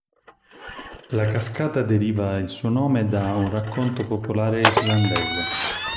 La cascata deriva il suo nome da un racconto popolare islandese.